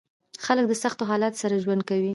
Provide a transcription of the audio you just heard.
خلک د سختو حالاتو سره ژوند کوي.